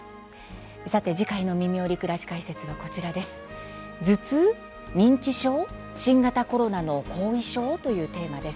さて次回の「みみより！くらし解説」はというテーマです。